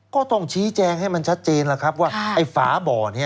ก็ต้องชี้แจงให้มันชัดเจนแล้วครับว่าไอ้ฝาบ่อนี้